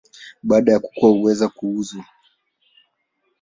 Baada ya kukua huweza kuuzwa.